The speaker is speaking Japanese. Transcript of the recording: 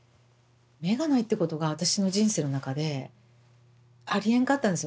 目がないってことが私の人生の中でありえんかったんですよね。